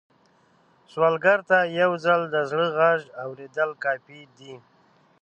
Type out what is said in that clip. سوالګر ته یو ځل د زړه غږ اورېدل کافي دي